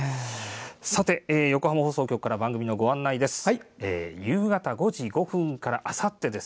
さて、横浜放送局から番組のご案内です。